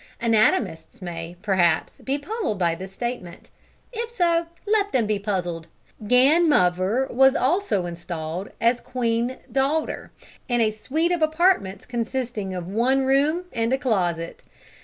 Anatomists may, perhaps, be puzzled by this statement. If so let them be puzzled! Gan muver was also installed as queen dowager, in a suite of apartments consisting of one room and a closet.